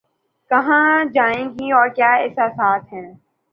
کہاں جائیں گی اور کیا احساسات ہیں